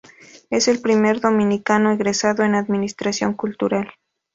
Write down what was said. Es el primer dominicano egresado en Administración Cultural.